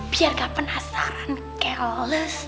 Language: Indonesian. biar nggak penasaran keles